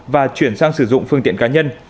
và chuyển sang sử dụng phương tiện cá nhân